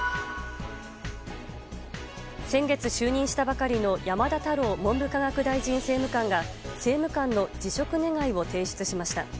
先月就任したばかりの山田太郎文部科学大臣政務官が政務官の辞職願を提出しました。